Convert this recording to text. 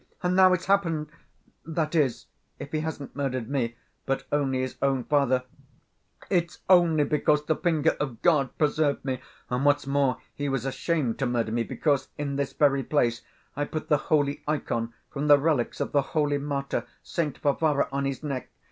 And now it's happened ... that is, if he hasn't murdered me, but only his own father, it's only because the finger of God preserved me, and what's more, he was ashamed to murder me because, in this very place, I put the holy ikon from the relics of the holy martyr, Saint Varvara, on his neck....